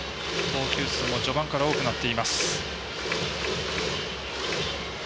投球数は序盤から多くなっています。